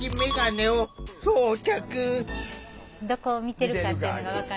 どこを見てるかっていうのが分かる。